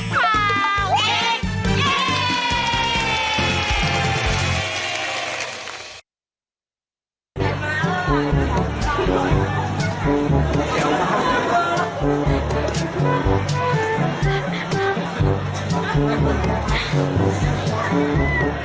สมัครพาวเอ็กซ์